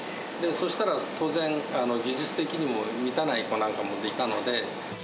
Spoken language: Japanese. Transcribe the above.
そしたら、当然、技術的にも満たない子なんかもいたので。